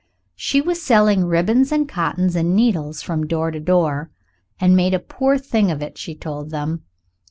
She was selling ribbons and cottons and needles from door to door, and made a poor thing of it, she told them.